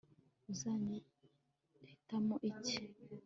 uzahitamo iki